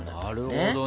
なるほどね。